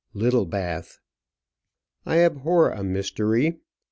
LITTLEBATH. I abhor a mystery.